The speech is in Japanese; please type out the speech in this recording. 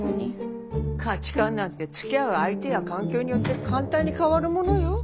価値観なんて付き合う相手や環境によって簡単に変わるものよ。